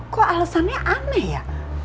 kok alesannya aneh ya